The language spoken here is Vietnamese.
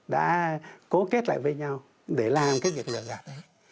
đã cố kết lại với nhau để làm cái việc lừa dạng đấy